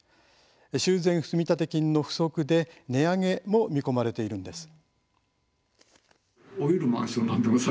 修繕積立金の不足で値上げも見込まれているんです。